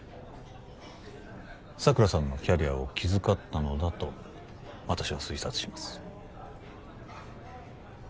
佐久良さんのキャリアを気遣ったのだと私は推察します